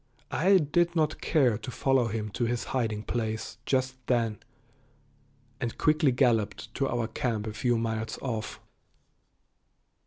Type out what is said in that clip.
I did not care to follow him to his hiding place just then, and quickly galloped to our camp a few miles off.